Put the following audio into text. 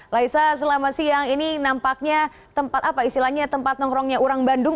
laisa selama siang ini nampaknya tempat apa istilahnya tempat nongkrongnya orang bandung